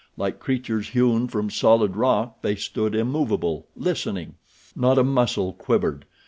Like creatures hewn from solid rock they stood immovable, listening. Not a muscle quivered.